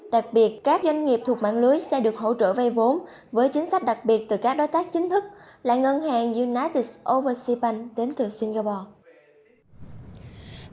đặc biệt các doanh nghiệp thuộc mạng lưới sẽ được hỗ trợ vây vốn với chính sách đặc biệt từ các đối tác chính thức là ngân hàng united overseas bank đến từ singapore